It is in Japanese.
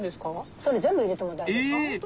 それ全部入れても大丈夫。